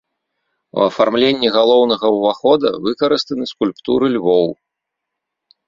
У афармленні галоўнага ўвахода выкарыстаны скульптуры львоў.